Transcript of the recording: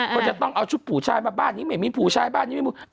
ก็จะต้องเอาชุดผู้ชายมาบ้านนี้ไม่มีผู้ชายบ้านนี้ไม่มี